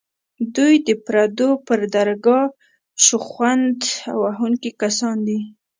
دوی د پردو پر درګاه شخوند وهونکي کسان دي.